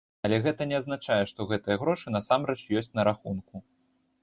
Але гэта не азначае, што гэтыя грошы насамрэч ёсць на рахунку.